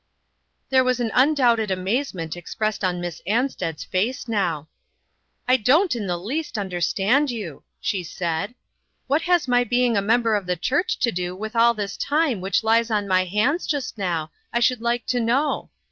There was an undoubted amazement ex pressed on Miss Ansted's face now. " I don't in the least understand you," A "FANATIC. 159 she said. " What has my being a member of the church to do with all this time which lies on my hands just now, I should like to know.